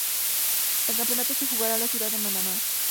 El campeonato se jugará en la ciudad de Manama.